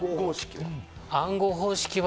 暗号方式は？